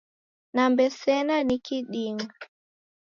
Nambe sena ni kiding’a